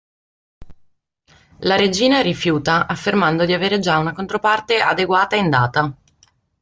La regina rifiuta, affermando di avere già una controparte adeguata in Data.